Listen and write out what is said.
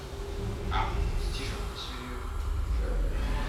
Ah ! si j’en étais sûre !… je…